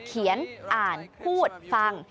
เขียนอ่านพูดฟัง